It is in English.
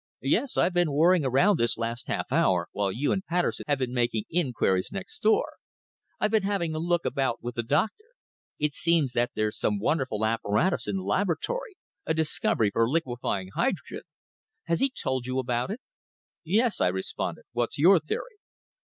"Yes, I've been worrying around this last half hour, while you and Patterson have been making inquiries next door. I've been having a look about with the Doctor. It seems that there's some wonderful apparatus in the laboratory a discovery for liquefying hydrogen. Has he told you about it?" "Yes," I responded. "What's your theory?"